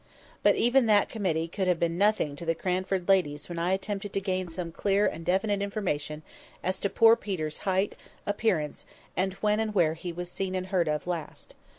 But even that committee could have been nothing to the Cranford ladies when I attempted to gain some clear and definite information as to poor Peter's height, appearance, and when and where he was seen and heard of last.